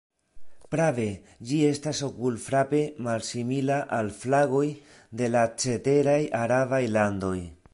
Prave, ĝi estas okulfrape malsimila al flagoj de la ceteraj arabaj landoj.